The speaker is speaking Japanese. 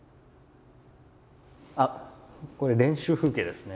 あっこれ練習風景ですね。